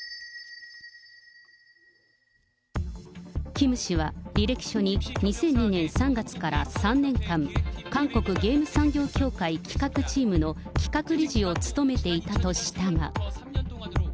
キム氏は、履歴書に、２００２年３月から３年間、韓国ゲーム産業協会企画チームの企画理事を務めていたとしたが。